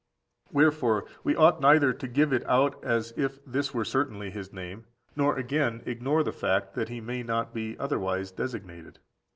Wherefore we ought neither to give it out as if this were certainly his name, nor again ignore the fact that he may not be otherwise designated.